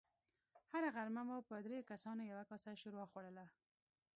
هره غرمه مو په دريو کسانو يوه کاسه ښوروا خوړله.